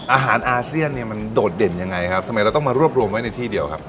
อาหารอาเซียนเนี่ยมันโดดเด่นยังไงครับทำไมเราต้องมารวบรวมไว้ในที่เดียวครับ